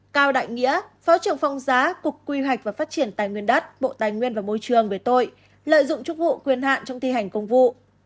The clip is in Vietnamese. cao đại nghĩa phó trưởng phòng giá cục quy hoạch và phát triển tài nguyên đất bộ tài nguyên và môi trường về tội lợi dụng chức vụ quyền hạn trong thi hành công vụ